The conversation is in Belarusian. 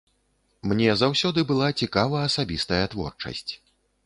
Мне заўсёды была цікава асабістая творчасць.